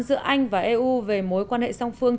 giữa anh và eu về mối quan hệ song phương